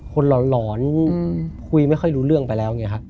คนหลอนคุยไม่ค่อยรู้เรื่องไปแล้วไงครับ